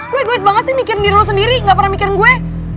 lu egois banget sih mikirin diri lu sendiri gak pernah mikirin gue